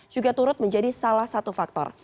juga turut menjadi salah satu faktor